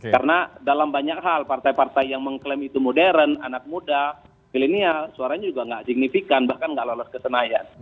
karena dalam banyak hal partai partai yang mengklaim itu modern anak muda milenial suaranya juga gak signifikan bahkan gak lolos ke senayan